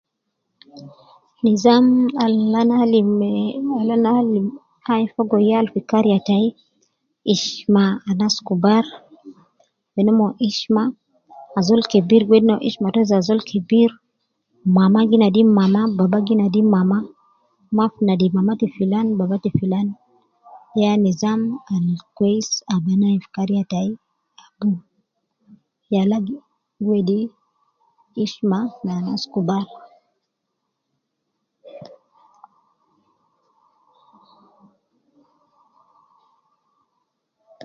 Nizam al ana alim me, al ana alim me tain fogo yal fi kariya tai ishma anas kubar, wenomon ishma azol kebir gi wedi no ishma to je azol kebir ,mama gi nadi mama, baba gi nadi mama, Maafi nadi mama te filan baba te filan, ya nizam al kwesi ab ana ayin fi kariya tai ,yala gi wedi ishma ne anas kubar